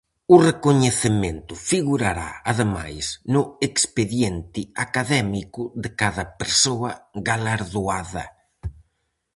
O recoñecemento figurará, ademais, no expediente académico de cada persoa galardoada.